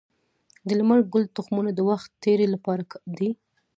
د لمر ګل تخمونه د وخت تیري لپاره دي.